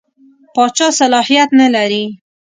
پاچا صلاحیت نه لري.